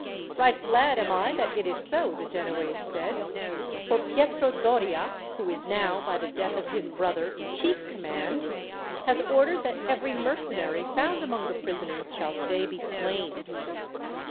"Right glad am I that it is so," the Genoese said, "for Pietro Doria, who is now, by the death of his brother, in chief command, has ordered that every mercenary found among the prisoners shall today be slain."